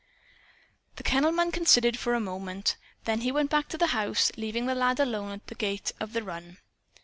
The kennel man considered for a moment. Then he went back to the house, leaving the lad alone at the gate of the run.